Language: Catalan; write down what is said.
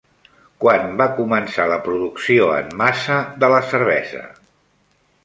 Quan va començar la producció en massa de la cervesa?